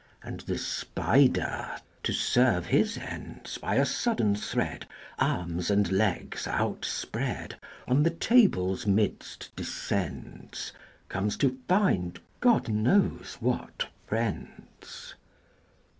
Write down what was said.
And the spider, to serve his ends, By a sudden thread, Arms and legs outspread, On the table's midst descends, Comes to find, God knows what friends!